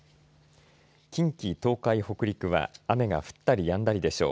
近畿、東海、北陸は雨が降ったりやんだりでしょう。